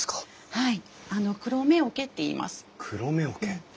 はい。